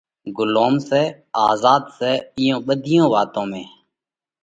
ڳلوم سئہ آزاڌ سئہ، اِيئون ٻڌِيون واتون ۾